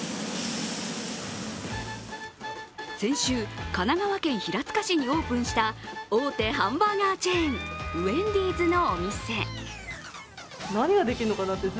先週、神奈川県平塚市にオープンした大手ハンバーガーチェーン・ウェンディーズのお店。